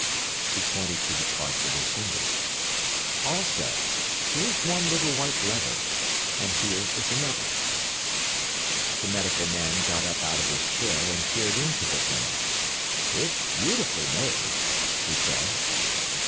He pointed to the part with his finger. "Also, here is one little white lever, and here is another." The Medical Man got up out of his chair and peered into the thing. "It's beautifully made," he said.